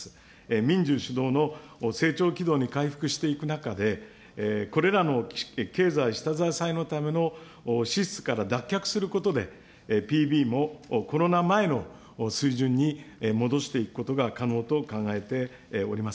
民需主導の成長軌道に回復していく中で、これらの経済下支えのための支出から脱却することで、ＰＢもコロナ前の水準に戻していくことが可能と考えております。